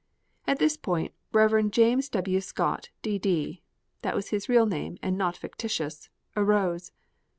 At this point Rev. James W. Scott, D.D. (that was his real name, and not fictitious) arose.